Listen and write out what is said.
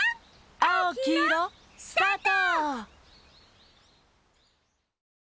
「あおきいろ」スタート！